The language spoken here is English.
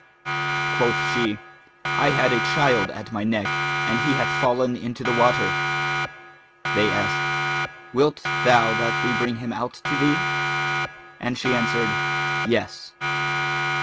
Quoth she, "I had a child at my neck, and he hath fallen into the water." They asked, "Wilt thou that we bring him out to thee?" and she answered, "Yes."